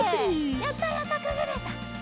やったやったくぐれた！